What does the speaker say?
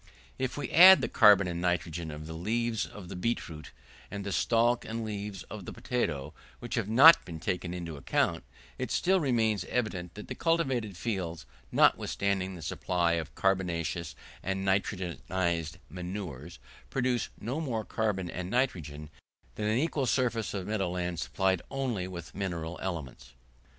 If we add the carbon and nitrogen of the leaves of the beetroot, and the stalk and leaves of the potatoes, which have not been taken into account, it still remains evident that the cultivated fields, notwithstanding the supply of carbonaceous and nitrogenised manures, produced no more carbon and nitrogen than an equal surface of meadow land supplied only with mineral elements.